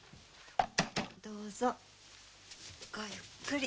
どうぞごゆっくり。